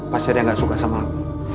pasti dia gak suka sama aku